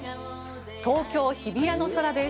東京・日比谷の空です。